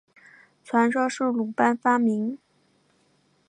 传说是鲁班发明。